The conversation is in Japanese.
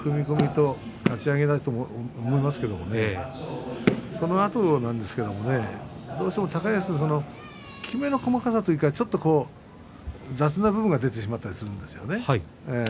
とかち上げだと思いますのでそのあとなんですけれどもねどうしても高安はきめの細かさというか、ちょっと雑な部分が出てしまうんですね。